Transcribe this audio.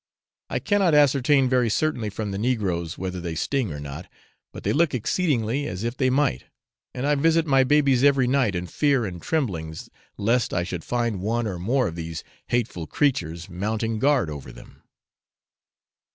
I cannot ascertain very certainly from the negroes whether they sting or not, but they look exceedingly as if they might, and I visit my babies every night, in fear and tremblings lest I should find one or more of these hateful creatures mounting guard over them.